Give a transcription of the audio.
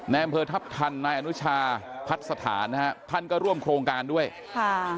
อำเภอทัพทันนายอนุชาพัดสถานนะฮะท่านก็ร่วมโครงการด้วยค่ะ